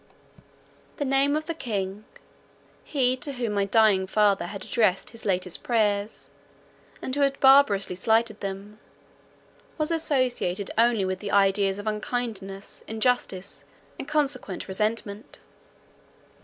The name of the king,—he to whom my dying father had addressed his latest prayers, and who had barbarously slighted them, was associated only with the ideas of unkindness, injustice, and consequent resentment.